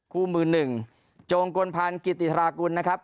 คู่มือหนึ่งโจงกลพันธ์กิติธรากุลนะครับ